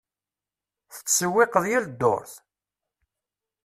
Tettsewwiqeḍ yal ddurt?